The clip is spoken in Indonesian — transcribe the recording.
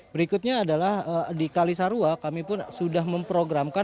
berikutnya adalah di kalisarua kami pun sudah memprogramkan